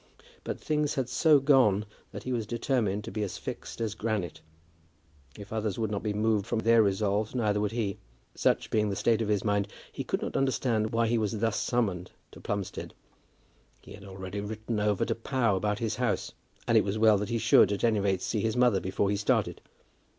But things had so gone that he was determined to be fixed as granite. If others would not be moved from their resolves, neither would he. Such being the state of his mind, he could not understand why he was thus summoned to Plumstead. He had already written over to Pau about his house, and it was well that he should, at any rate, see his mother before he started.